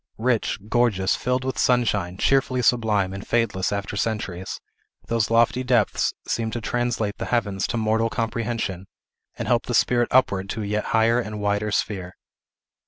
Rich, gorgeous, filled with sunshine, cheerfully sublime, and fadeless after centuries, those lofty depths seemed to translate the heavens to mortal comprehension, and help the spirit upward to a yet higher and wider sphere.